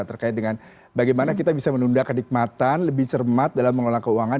terkait dengan bagaimana kita bisa menunda kenikmatan lebih cermat dalam mengelola keuangan